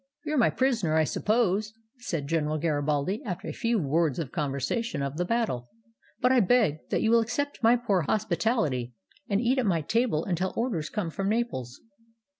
''You are my prisoner, I suppose," said General Gari baldi, after a few words of conversation of the battle, " but I beg that you will accept my poor hospitahty and eat at my table until orders come from Naples."